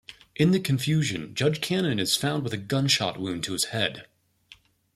In the confusion, Judge Cannon is found with a gunshot wound to his head.